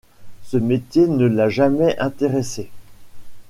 Ce métier ne l'a jamais intéressée.